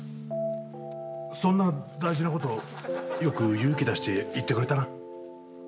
そんな大事なことよく勇気出して言ってくれたな。